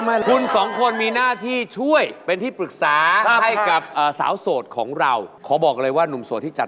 แล้วคนนี้ดีไหมคนนี้ดีไหม